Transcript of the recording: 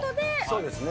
そうですね。